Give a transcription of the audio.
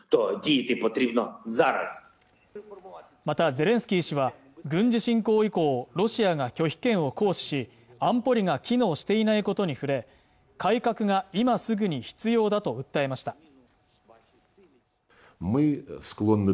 またゼレンスキー氏は軍事侵攻以降ロシアが拒否権を行使し安保理が機能していないことに触れ改革が今すぐに必要だと訴えました